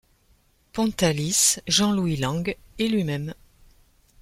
Pontalis, Jean-Louis Lang et lui-même.